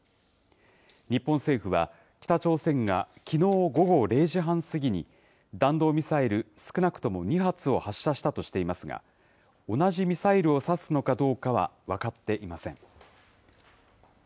日本政府は、北朝鮮がきのう午後０時半過ぎに、弾道ミサイル少なくとも２発を発射したとしていますが、同じミサイルを指すのかどうかは分かっていません。